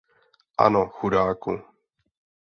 Ano, chudáku!